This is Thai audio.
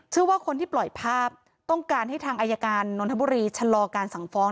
เชื่อว่าคนที่ปล่อยภาพต้องการให้ทางอายการนนทบุรีชะลอการสั่งฟ้อง